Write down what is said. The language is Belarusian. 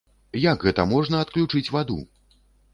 Як гэта можна адключыць ваду?